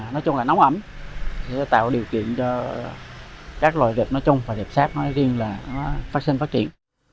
nói chung là nóng ấm tạo điều kiện cho các loại dẹp nó trông và dẹp sáp riêng là phát triển